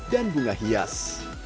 dan bunga hias